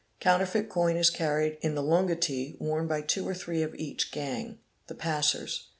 Counterfeit coin is carried in the lungotee worn by two or " three of each gang (the passers).